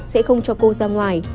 sẽ không cho cô ra ngoài